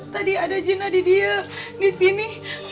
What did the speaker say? tadi ada jin hadir dia di sini